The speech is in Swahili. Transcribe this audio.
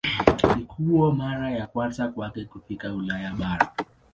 Ilikuwa mara ya kwanza kwake kufika Ulaya bara.